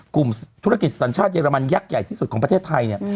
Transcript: กลุ่มธุรกิจสัญชาติเรมันยักษ์ใหญ่ที่สุดของประเทศไทยเนี่ย